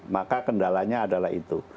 maka kendalanya adalah itu